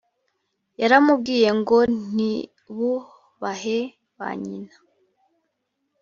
yaramubwiyengo ntibubahe ba nyina